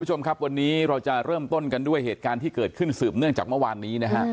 คุณผู้ชมครับวันนี้เราจะเริ่มต้นกันด้วยเหตุการณ์ที่เกิดขึ้นสืบเนื่องจากเมื่อวานนี้นะฮะ